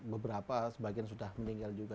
beberapa sebagian sudah meninggal juga